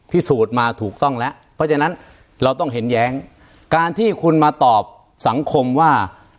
พิสูจน์มาถูกต้องแล้วเพราะฉะนั้นเราต้องเห็นแย้งการที่คุณมาตอบสังคมว่า